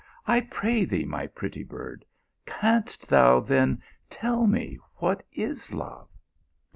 " I pray thee, my pretty bird, canst thou then tell me what is love?